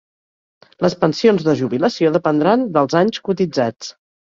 Les pensions de jubilació dependran dels anys cotitzats.